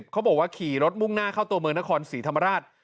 เขาบอกว่าขี่รถมุ่งหน้าเข้าตัวเมืองนครศรีธรรมราช